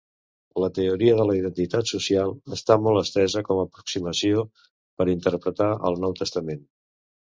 La teoria de la identitat social està molt estesa com a aproximació per interpretar el Nou Testament.